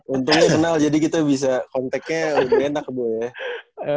untungnya kenal jadi kita bisa kontaknya udah enak boy ya